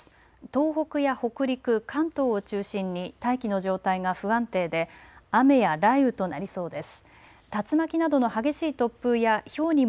東北や北陸、関東を中心に大気の状態が不安定で雨や雷雨となりそうです。